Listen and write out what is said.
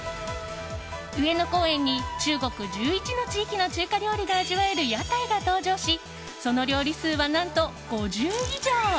上野公園に中国１１の地域の中華料理が味わえる屋台が登場しその料理数は何と５０以上！